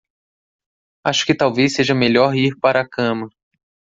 Acho que talvez seja melhor ir para a cama.